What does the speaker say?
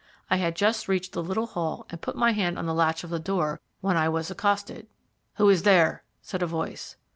I had just reached the little hall and put my hand on the latch of the door, when I was accosted. "Who is there?" said a voice.